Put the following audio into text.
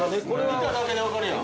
◆見ただけで分かるやん。